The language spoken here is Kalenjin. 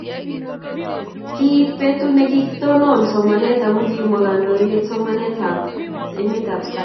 kiit betu ne kikitonon somanet amu kimwa kandoindetab somanet eng' emet.